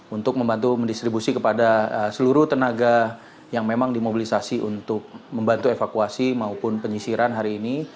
untuk membantu mendistribusi kepada seluruh tenaga yang memang dimobilisasi untuk membantu evakuasi maupun penyisiran hari ini